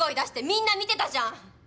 みんな見てたじゃん！